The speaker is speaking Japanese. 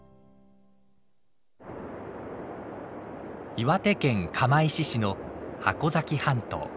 岩手県釜石市の箱崎半島。